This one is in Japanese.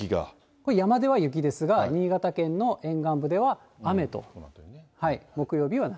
これ、山では雪ですが、新潟県の沿岸部では雨と、木曜日は。